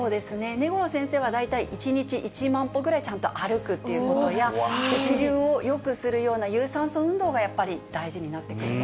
根来先生は、１日１万歩ぐらいちゃんと歩くということや、血流をよくするような有酸素運動がやっぱり大事になってくると。